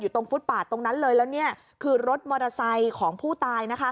ตรงฟุตปาดตรงนั้นเลยแล้วนี่คือรถมอเตอร์ไซค์ของผู้ตายนะคะ